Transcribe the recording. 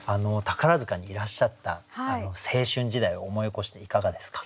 宝塚にいらっしゃった青春時代を思い起こしていかがですか？